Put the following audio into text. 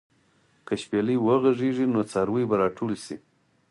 که شپېلۍ وغږېږي، نو څاروي به راټول شي.